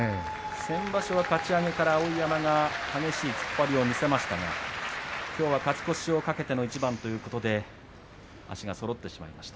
先場所はかち上げから碧山が激しい突っ張りを見せましたがきょうは勝ち越しを懸けての一番ということで足がそろってしまいました。